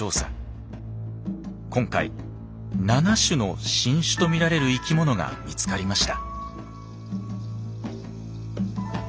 今回７種の新種とみられる生き物が見つかりました。